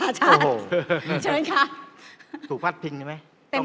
โอ้โหถูกพัดพิงใช่ไหม